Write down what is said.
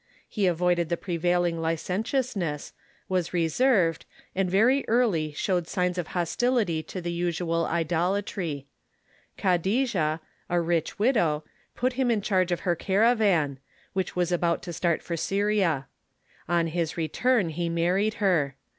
He avoided the pre vailing licentiousness, was reserved, and very early showed signs of hostility to the usual idolatry. Khadija, a rich widow, put him in charge of her caravan, which was about to start for S^'ria. On his return he married her.